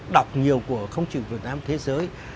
đọc nhiều của không chỉ việt nam thế giới